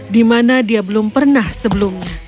di mana dia belum pernah sebelumnya